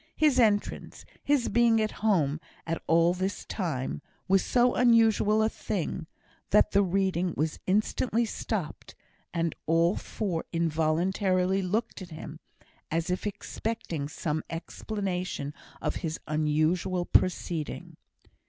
His entrance his being at home at all at this time was so unusual a thing, that the reading was instantly stopped; and all four involuntarily looked at him, as if expecting some explanation of his unusual proceeding.